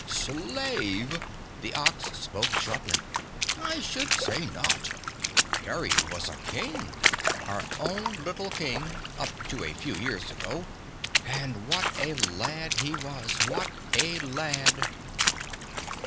"SLAVE!" The Ox spoke sharply. "I should say not. Kerry was a King! Our own little King up to a few years ago, and what a lad he was what a lad!"